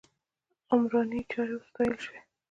عمراني چارې وستایل شوې.